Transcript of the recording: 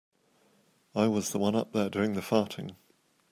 I was the one up there doing the farting.